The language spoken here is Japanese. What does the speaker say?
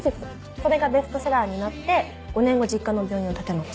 それがベストセラーになって５年後実家の病院を立て直す。